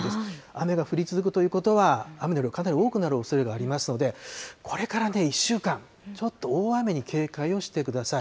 雨が降り続くということは、雨の量、かなり多くなるおそれがありますので、これから１週間、ちょっと大雨に警戒をしてください。